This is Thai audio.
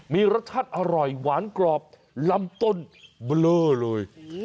มีรสชาติอร่อยหวานกรอบลำต้นเบลอเลย